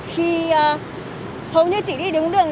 khi hầu như chỉ đi đúng đường